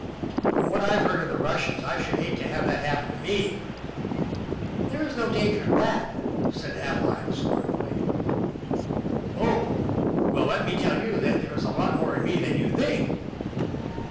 "From what I've heard of Russians, I should hate to have that happen to me." "There is no danger of that," said Adeline scornfully. "Oh! Well, let me tell you that there is a lot more in me than you think."